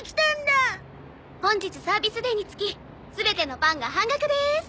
本日サービスデイにつき全てのパンが半額です。